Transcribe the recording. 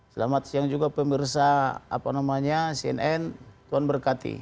selamat siang juga pemirsa cnn tuan berkati